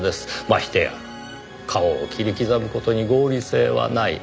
ましてや顔を切り刻む事に合理性はない。